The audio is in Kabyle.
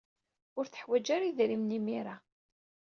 Ur teḥwaj ara idrimen imir-a.